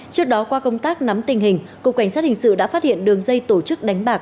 trước đó qua công tác nắm tình hình cục cảnh sát hình sự đã phát hiện đường dây tổ chức đánh bạc